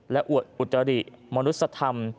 และอวดอุจริมนุษยธรรม